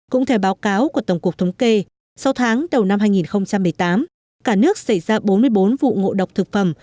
cũng theo báo cáo của tổng cục thống kê sau tháng đầu năm hai nghìn một mươi tám cả nước xảy ra bốn mươi bốn vụ ngộ độc thực phẩm